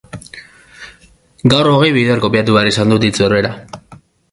Gaur hogei bider kopiatu behar izan dut hitz berbera.